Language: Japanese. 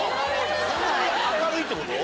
そんなに明るいってこと？